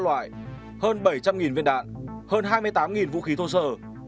loại hơn bảy trăm linh viên đạn hơn hai mươi tám vũ khí thô sơ